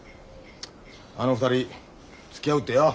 あの２人つきあうってよ。